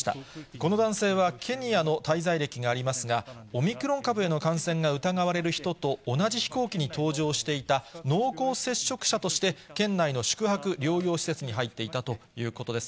この男性は、ケニアの滞在歴がありますが、オミクロン株への感染が疑われる人と同じ飛行機に搭乗していた濃厚接触者として、県内の宿泊療養施設に入っていたということです。